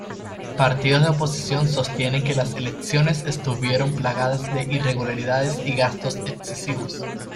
Partidos de oposición sostienen que las elecciones estuvieron plagadas de irregularidades y gastos excesivos.